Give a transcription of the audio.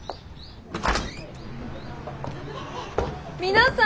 皆さん